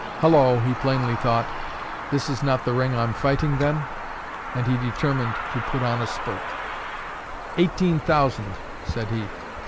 "Hullo," he plainly thought, "this is not the ring I'm fighting, then?" And he determined to put on a spurt. "Eighteen thousand," said he.